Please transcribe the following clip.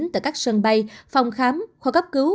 tại các sân bay phòng khám kho cấp cứu